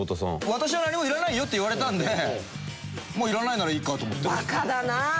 「私は何もいらないよ」って言われたのでいらないならいいかと思って。